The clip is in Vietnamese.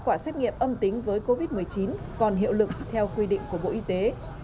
kết quả xét nghiệm âm tính với covid một mươi chín còn hiệu lực theo quy định của bộ y tế